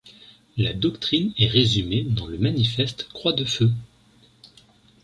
La doctrine est résumée dans le Manifeste Croix-de-Feu.